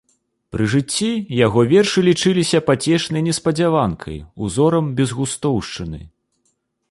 Пры жыцці яго вершы лічыліся пацешнай неспадзяванкай, узорам безгустоўшчыны.